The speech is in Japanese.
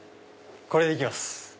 これで行きます。